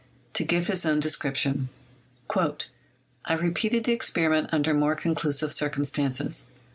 To give his own description : "I repeated the experiment under more conclusive cir cumstances.